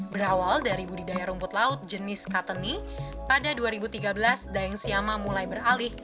berawal dari budidaya rumput laut jenis kateni pada dua ribu tiga belas daeng siama mulai beralih